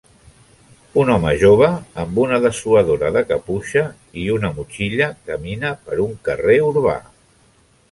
Un home jove amb una dessuadora de caputxa i una motxilla camina per un carrer urbà.